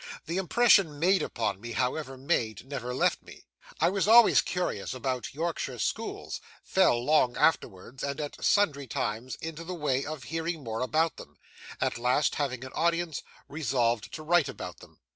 The impression made upon me, however made, never left me. I was always curious about Yorkshire schools fell, long afterwards and at sundry times, into the way of hearing more about them at last, having an audience, resolved to write about them.